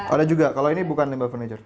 ada juga kalau ini bukan limba furniture